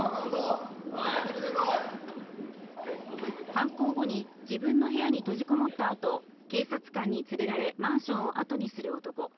犯行後に自分の部屋に閉じこもった後、警察官に連れられ、マンションをあとにする男。